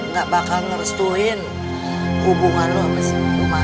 nggak bakal ngerestuin hubungan lo sama si rumah